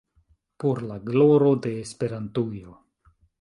Por la gloro de Esperantujo!